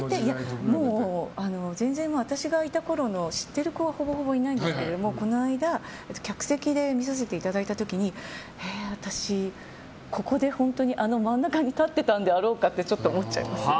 全然、私がいたころの知っている子はほぼほぼいないんですけどこの間、客席で見させていただいた時に私、ここで本当にあの真ん中に立ってたんであろうかってちょっと思っちゃいました。